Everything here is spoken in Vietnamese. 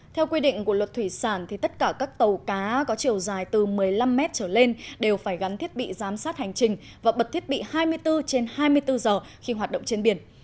theo quy định của luật thủy sản tất cả các tàu cá có chiều dài từ một mươi năm mét trở lên đều phải gắn thiết bị giám sát hành trình và bật thiết bị hai mươi bốn trên hai mươi bốn giờ khi hoạt động trên biển